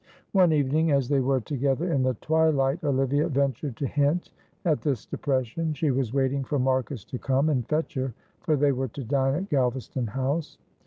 One evening, as they were together in the twilight, Olivia ventured to hint at this depression; she was waiting for Marcus to come and fetch her, for they were to dine at Galvaston House.